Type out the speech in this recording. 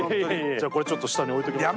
じゃあちょっとこれ下に置いときます。